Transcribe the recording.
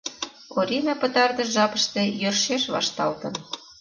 Орина пытартыш жапыште йӧршеш вашталтын.